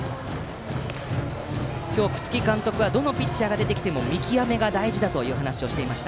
今日、楠城監督はどのピッチャーが出てきても見極めが大事だという話をしていました。